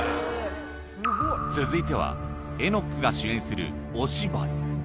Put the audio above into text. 続いては、エノックが主演するお芝居。